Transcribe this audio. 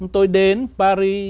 tôi đến paris